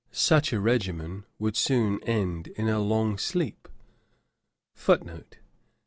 Such a regimen would soon end in a long sleep.' Dr.